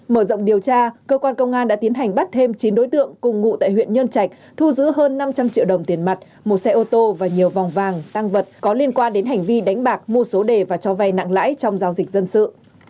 mở rộng điều tra cơ quan công an đã tiến hành bắt thêm chín đối tượng cùng ngụ tại huyện nhân trạch thu giữ hơn năm trăm linh triệu đồng tiền mặt một xe ô tô và nhiều vòng vàng tăng vật có liên quan đến hành vi đánh bạc mua số đề và cho vay nặng lãi trong giao dịch dân sự